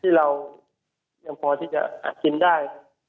ที่เรายังพอที่จะอาชีพได้